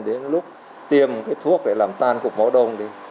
đến lúc tiêm cái thuốc để làm tan cục máu đông đi